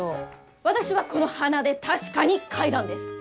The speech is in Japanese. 私はこの鼻で確かに嗅いだんです！